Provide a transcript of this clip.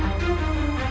kaki gue patah mas